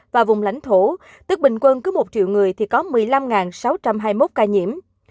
và vùng lãnh thổ tức bình quân cứ một triệu người thì có một mươi năm sáu trăm hai mươi một ca nhiễm